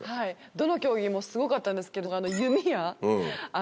どの競技もすごかったんですけど。